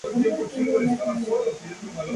Además, las inundaciones y deslaves.